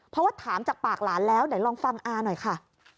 เพราะว่าถามจากปากหลานแล้วเดี๋ยวลองฟังอาหน่อยค่ะ